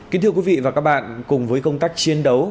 kính thưa quý vị và các bạn cùng với công tác chiến đấu